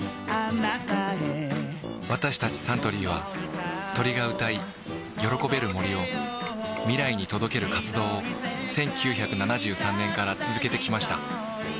私たちサントリーは鳥が歌い喜べる森を未来に届ける活動を１９７３年から続けてきました